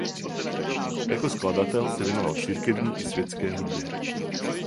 Jako skladatel se věnoval církevní i světské hudbě.